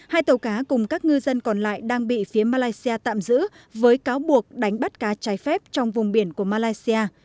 hai tàu cá cùng các ngư dân còn lại đang bị phía malaysia tạm giữ với cáo buộc đánh bắt cá trái phép trong vùng biển của malaysia